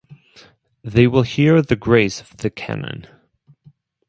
They will hear the grace of the cannon.